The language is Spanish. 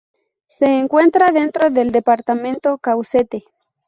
Se encuentra dentro del Departamento Caucete.